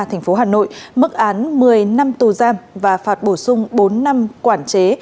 thành phố hà nội mức án một mươi năm tù giam và phạt bổ sung bốn năm quản chế